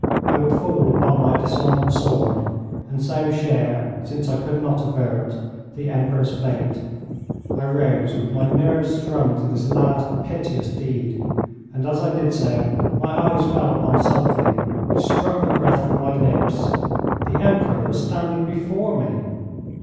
I would fall upon my dishonoured sword, and so share, since I could not avert, the Emperor's fate. I rose with my nerves strung to this last piteous deed, and as I did so, my eyes fell upon something which struck the breath from my lips. The Emperor was standing before me!